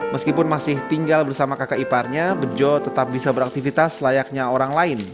meskipun masih tinggal bersama kakak iparnya bejo tetap bisa beraktivitas layaknya orang lain